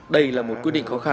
đây là một quyết định khó khăn